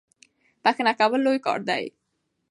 بخښنه کول لوی کار دی.